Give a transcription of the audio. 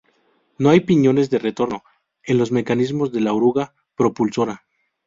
No hay piñones de retorno en los mecanismos de la oruga propulsora.